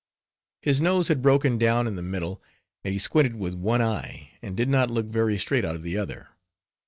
His nose had broken down in the middle, and he squinted with one eye, and did not look very straight out of the other.